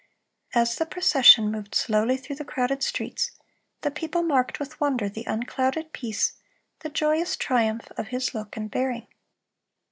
As the procession moved slowly through the crowded streets, the people marked with wonder the unclouded peace, the joyous triumph, of his look and bearing.